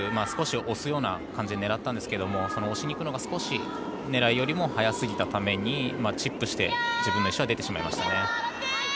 少し押すような感じで狙ったんですけれども押しにいくのが少し狙いよりも早すぎたためにチップして自分の石が出てしまいました。